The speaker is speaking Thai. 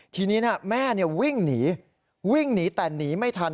ทีนี้แม่วิ่งหนีวิ่งหนีแต่หนีไม่ทัน